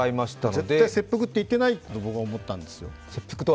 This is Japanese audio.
絶対切腹って言ってないと僕は思ったんですよ。